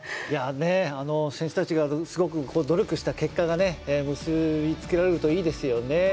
いやねあの選手たちがすごく努力した結果がね結び付けられるといいですよね。